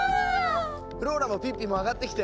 フローラもピッピも上がってきて。